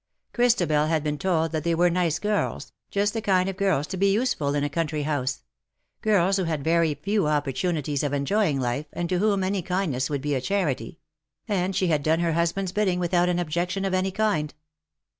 Christabel had been told that they were nice girls_, just the kind of girls to be useful in a country house — girls who had very few opportunities of enjoying life, and to whom any kindness would be a charity — and she had done her husband^s bidding without an objection of any kind.